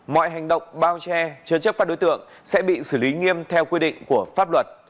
mọi hành động bao che chứa chấp các đối tượng sẽ bị xử lý nghiêm theo quy định của pháp luật